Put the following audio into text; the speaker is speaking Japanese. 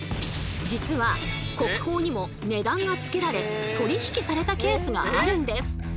実は国宝にも値段がつけられ取り引きされたケースがあるんです！